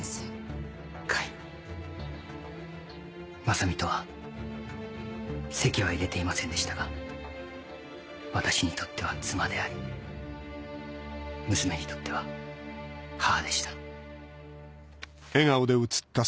正美とは籍は入れていませんでしたが私にとっては妻であり娘にとっては母でした。